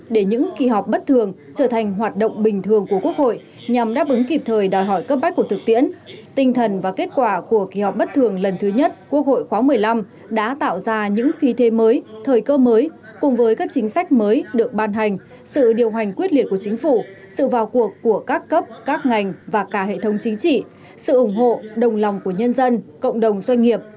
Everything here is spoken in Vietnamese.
để những kỳ họp bất thường trở thành hoạt động bình thường của quốc hội nhằm đáp ứng kịp thời đòi hỏi cấp bách của thực tiễn tinh thần và kết quả của kỳ họp bất thường lần thứ nhất quốc hội khóa một mươi năm đã tạo ra những khí thế mới thời cơ mới cùng với các chính sách mới được ban hành sự điều hành quyết liệt của chính phủ sự vào cuộc của các cấp các ngành và cả hệ thống chính trị sự ủng hộ đồng lòng của nhân dân cộng đồng doanh nghiệp